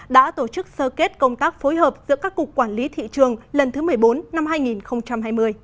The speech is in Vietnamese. đã tổ chức sơ kết công tác phối hợp giữa các cục quản lý thị trường lần thứ một mươi bốn năm hai nghìn hai mươi